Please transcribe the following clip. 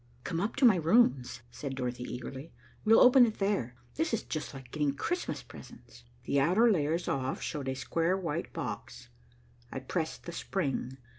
"Come up to my rooms," said Dorothy eagerly. "We'll open it there. This is just like getting Christmas presents." The outer layers off showed a square white box. I pressed the spring.